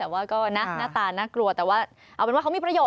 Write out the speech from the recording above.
แต่ว่าก็นะหน้าตาน่ากลัวแต่ว่าเอาเป็นว่าเขามีประโยชน